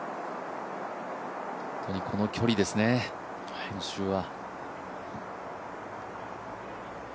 本当にこの距離ですね、今週は。